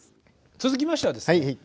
続きましてはですね